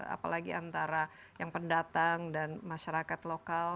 apalagi antara yang pendatang dan masyarakat lokal